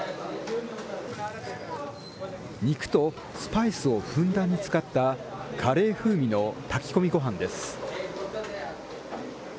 肉とスパイスをふんだんに使った、カレー風味の炊き込みごはんです。